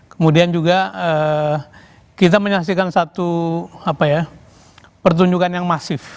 kemudian juga kita menyaksikan satu pertunjukan yang masif